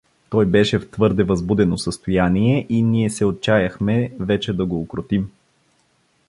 Той беше в твърде възбудено състояние и ние се отчаяхме вече да го укротим.